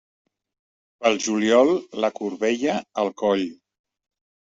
Pel juliol, la corbella al coll.